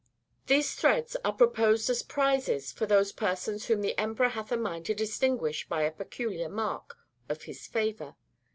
These threads are proposed as prizes for those persons whom the emperor hath a mind to distinguish by a peculiar mark of his favor.